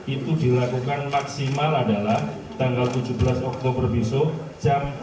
itu dilakukan maksimal adalah tanggal tujuh belas oktober besok jam dua puluh empat